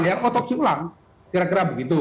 ya otopsi ulang kira kira begitu